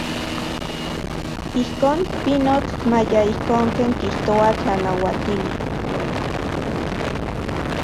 Ijkon, pinotl, maya ijkon ken kijtoa tlanauatili.